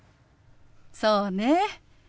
そうね。